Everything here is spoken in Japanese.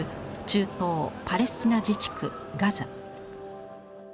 中東パレスチナ自治区ガザ。